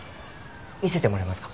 見せてもらえますか？